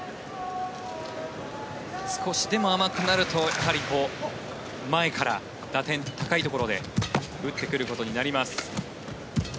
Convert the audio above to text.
少しでも甘くなると前から打点、高いところで打ってくることになります。